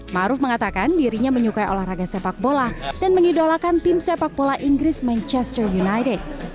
maruf mengatakan dirinya menyukai olahraga sepak bola dan mengidolakan tim sepak bola inggris manchester united